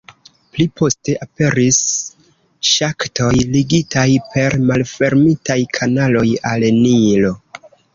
Pli poste aperis ŝaktoj, ligitaj per malfermitaj kanaloj al Nilo.